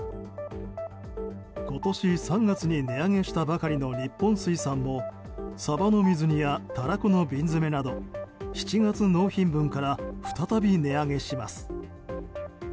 今年３月に値上げしたばかりの日本水産もサバの水煮やタラコの瓶詰など７月納品分から再び値上げします。